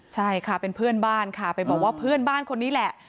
ใช่ค่ะเป็นเพื่อนบ้านค่ะไปบอกว่าเพื่อนบ้านคนนี้แหละ